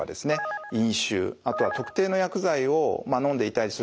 飲酒あとは特定の薬剤をのんでいたりするとですね